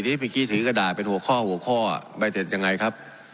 เมื่อกี้ถือกระดาษเป็นหัวข้อหัวข้อใบเสร็จยังไงครับ